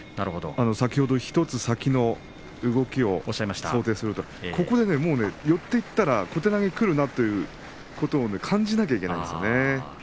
先ほど１つ先の動きを想定すると言っていましたけど寄っていったら小手投げがくるということを感じなくてはいけないですよね。